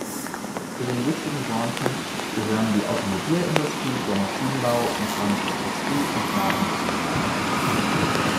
Zu den wichtigen Branchen gehören die Automobilindustrie, der Maschinenbau, mechanische Industrie und Nahrungsmittelverarbeitung.